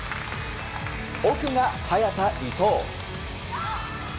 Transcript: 奥が早田、伊藤。